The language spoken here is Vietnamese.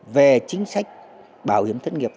về chính sách bảo hiểm thất nghiệp